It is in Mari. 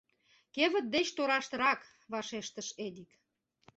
— Кевыт деч торашкырак, — вашештыш Эдик.